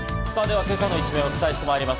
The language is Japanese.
今朝の一面をお伝えしてまいります。